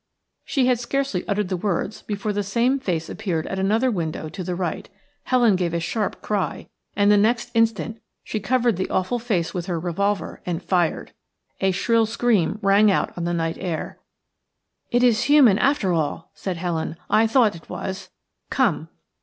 She had scarcely uttered the words before the same face appeared at another window to the right. Helen gave a sharp cry, and the next instant she covered the awful face with her revolver and fired. A shrill scream rang out on the night air. "It is human after all," said Helen; "I thought it was. Come."